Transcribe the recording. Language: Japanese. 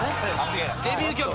デビュー曲。